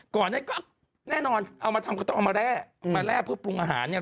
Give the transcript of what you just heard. ก่อนนั้นก็แน่นอนเอามาทำก็ต้องเอามาแร่เอามาแร่เพื่อปรุงอาหารเนี่ย